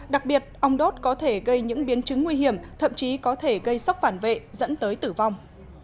đặc biệt ong đốt có thể gây những biến chứng nguy hiểm thậm chí có thể gây sốc phản vệ dẫn tới tử vong